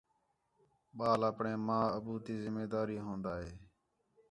ٻال آپݨے ماں، ابو تی ذمہ داری ہون٘دا ہے